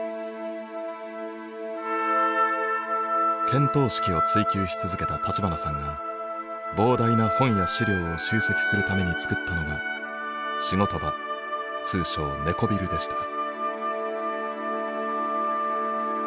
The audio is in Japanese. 見当識を追究し続けた立花さんが膨大な本や資料を集積するために作ったのが仕事場通称猫ビルでした。